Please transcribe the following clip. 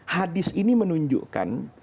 hadis ini menunjukkan